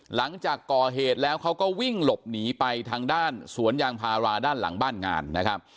หลังจากก่อเหตุแล้วเขาก็วิ่งหลบหนีไปทางด้านสวนยางพาราด้านหลังบ้านงานนะครับ